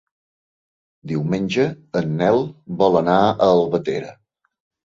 Diumenge en Nel vol anar a Albatera.